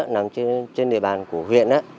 nằm trên địa bàn của huyện